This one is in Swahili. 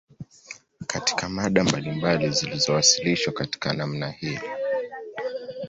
Katika mada mbalimbali zilizowasilishwa katika namna hii